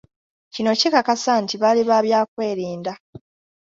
Kino kikakasa nti baali ba byakwerinda.